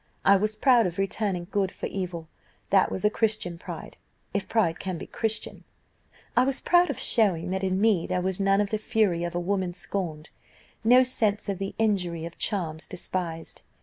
I was proud of returning good for evil; that was a Christian pride, if pride can be Christian. I was proud of showing that in me there was none of the fury of a woman scorned no sense of the injury of charms despised.